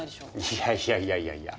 いやいやいやいやいや。